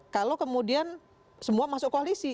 kalau kemudian semua masuk koalisi